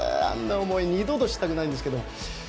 あんな思い二度としたくないんですけど。